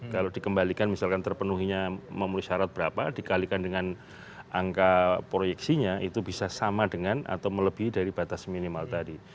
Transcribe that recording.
kalau dikembalikan misalkan terpenuhinya memenuhi syarat berapa dikalikan dengan angka proyeksinya itu bisa sama dengan atau melebihi dari batas minimal tadi